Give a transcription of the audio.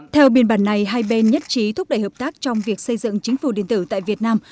theo biên bản này hai bên nhất trí thúc đẩy hợp tác trong việc xây dựng chính phủ điện tử tại việt nam